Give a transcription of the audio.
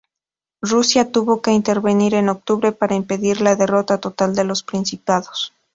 Rusia tuvo que intervenir en octubre para impedir la derrota total de los principados.